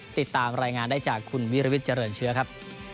ติดตามรายงานได้จากคุณวิรวิทย์เจริญเชื้อครับ